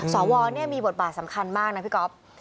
สอวรเนี่ยมีบทบาทสำคัญมากนะพี่ก๊อบ